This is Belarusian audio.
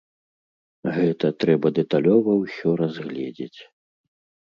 Гэта трэба дэталёва ўсё разгледзець.